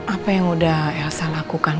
apa yang udah elsa lakukan